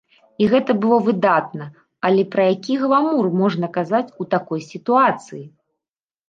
І гэта было выдатна, але пра які гламур можна казаць у такой сітуацыі?